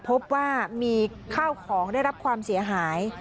พบว่ามีข้าวของได้รับความเสียหาย